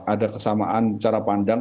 ada kesamaan cara pandang